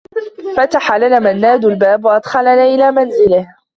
فتح لنا منّاد الباب و أدخلنا إلى منزله.